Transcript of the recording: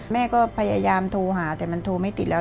แม่ก็พยายามโทรหาแต่มันโทรไม่ติดแล้ว